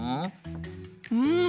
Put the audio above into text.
うん。